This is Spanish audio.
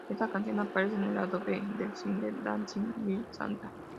Está canción aparece en el lado B del single Dancin' with Santa.